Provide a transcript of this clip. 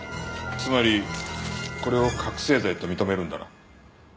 つまりこれを覚せい剤と認めるんだな？